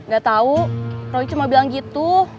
gak tau roy cuma bilang gitu